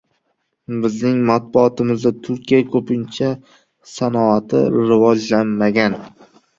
— Bizning matbuotimizda Turkiya ko‘pincha sanoati rivojlanmagan